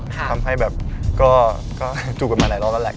ทำให้แบบก็จูบกันมาหลายรอบแล้วแหละ